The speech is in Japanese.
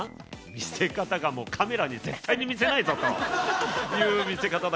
見せ方がもうカメラに絶対に見せないぞという見せ方だから。